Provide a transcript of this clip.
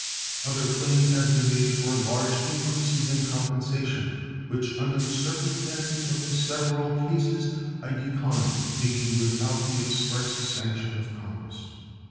Other claims have been made for large increases in compensation, which, under the circumstances of the several cases, I declined making without the express sanction of Congress.